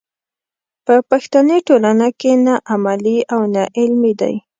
په پښتني ټولنه کې نه عملي او نه علمي دی.